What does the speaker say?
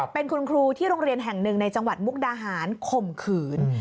เป็นคุณครูที่โรงเรียนแห่งหนึ่งในจังหวัดมุกดาหารข่มขืน